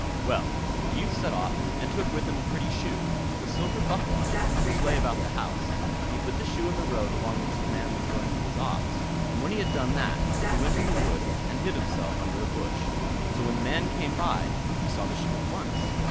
Well! the youth set off, and took with him a pretty shoe, with a silver buckle on it, which lay about the house; and he put the shoe in the road along which the man was going with his ox; and when he had done that, he went into the wood and hid himself under a bush. So when the man came by he saw the shoe at once.